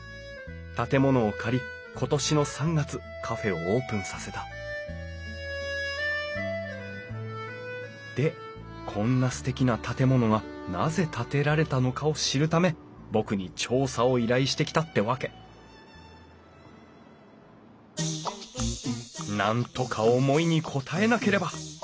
建物を借り今年の３月カフェをオープンさせたでこんなすてきな建物がなぜ建てられたのかを知るため僕に調査を依頼してきたってわけなんとか思いに応えなければ！